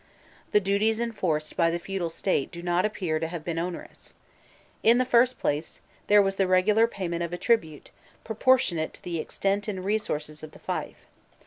The duties enforced by the feudal state do not appear to have been onerous. In the first place, there was the regular payment of a tribute, proportionate to the extent and resources of the fief.